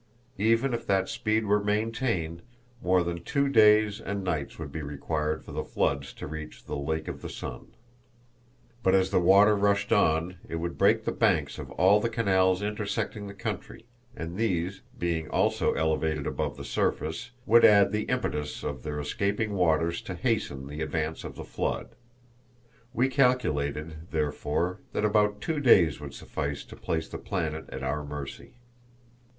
Even if that speed were maintained, more than two days and nights would be required for the floods to reach the Lake of the Sun. But as the water rushed on it would break the banks of all the canals intersecting the country, and these, being also elevated above the surface, would add the impetus of their escaping waters to hasten the advance of the flood. We calculated, therefore, that about two days would suffice to place the planet at our mercy.